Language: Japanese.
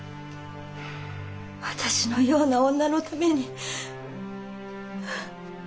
私のような女のために。